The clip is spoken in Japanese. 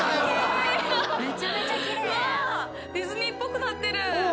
ディズニーっぽくなってる。